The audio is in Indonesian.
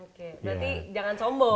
berarti jangan sombong nih